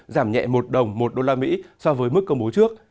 giảm nhẹ một đồng một usd so với mức công bố trước